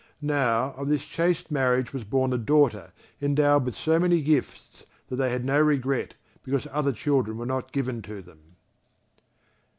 Now, of this chaste marriage was born a daughter endowed with so many gifts that they had no regret because other children were not given to them.